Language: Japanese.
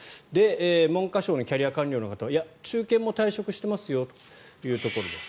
文科省のキャリア官僚の方はいや、中堅も退職してますよというところです。